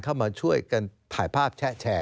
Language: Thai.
เข้ามาช่วยกันถ่ายภาพแชะแชร์